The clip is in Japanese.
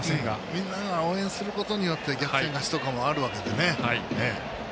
みんなが応援することによって逆転勝ちとかもあるのでね。